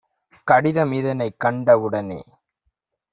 கடிதம் இதனைக் கண்ட வுடனே